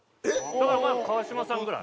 だから川島さんぐらい。